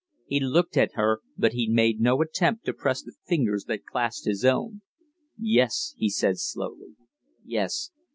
He looked at her; but he made no attempt to press the fingers that clasped his own. "Yes," he said, slowly. "Yes.